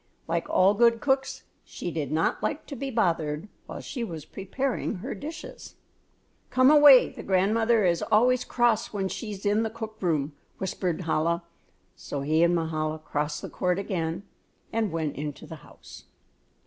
Like all good cooks she did not like to be bothered while she was preparing her dishes. "Come away, the grandmother is always cross when she is in the cook room," whispered Chola; so he and Mahala crossed the court again and went into the house.